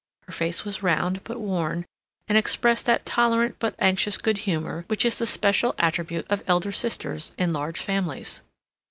Her face was round but worn, and expressed that tolerant but anxious good humor which is the special attribute of elder sisters in large families.